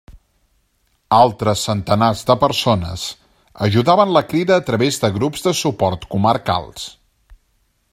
Altres centenars de persones ajudaven la Crida a través de grups de suport comarcals.